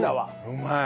うまい。